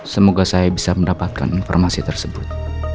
semoga saya bisa mendapatkan informasi tersebut